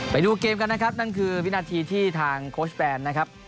ไปดูเกมกันนะครับนั่นคือวินาทีที่ทางโค้ชแบนนะครับ